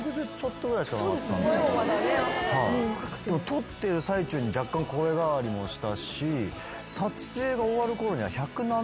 撮ってる最中に若干声変わりもしたし。